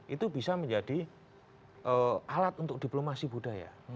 itu bisa menjadi alat untuk diplomasi budaya